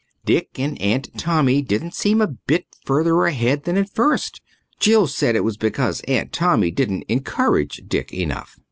Dick and Aunt Tommy didn't seem a bit further ahead than at first. Jill said it was because Aunt Tommy didn't encourage Dick enough.